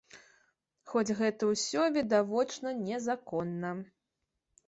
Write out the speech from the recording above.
Хоць гэта ўсё відавочна незаконна.